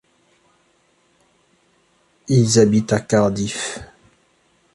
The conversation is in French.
Ils habitent à Cardiff.